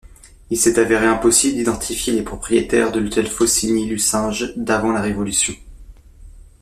Il s'est avéré impossible d'identifier les propriétaires de l'hôtel Faucigny-Lucinge d'avant la Révolution.